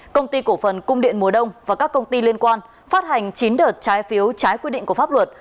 công ty cổ phần cung điện mùa đông và các công ty liên quan phát hành chín đợt trái phiếu trái quy định của pháp luật